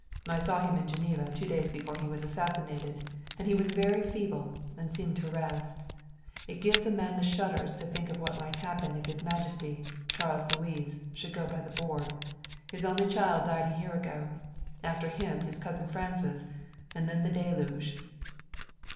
I saw him in Geneva two days before he was assassinated, and he was very feeble and seemed harassed. It gives a man the shudders to think of what might happen if his Majesty, Charles Louis, should go by the board. His only child died a year ago after him his cousin Francis, and then the deluge."